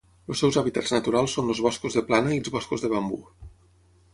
Els seus hàbitats naturals són els boscos de plana i els boscos de bambú.